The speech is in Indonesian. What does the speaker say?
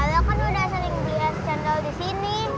ih lo kan udah sering beli es cendol disini